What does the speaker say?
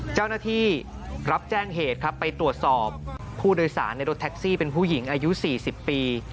เจ้าหน้าที่รับแจ้งเหตุครับไปตรวจสอบผู้โดยสารในรถแท็กซี่เป็นผู้หญิงอายุ๔๐ปี